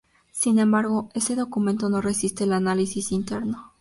Sin embargo, ese documento no resiste el análisis interno.